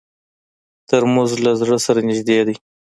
ترموز له زړه سره نږدې دی.